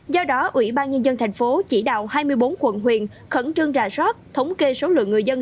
do đó ủy ban nhân dân thành phố chỉ đạo hai mươi bốn quận huyện khẩn trương rà soát thống kê số lượng người dân